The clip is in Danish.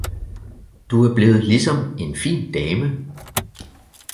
Du er blevet ligesom en fin dame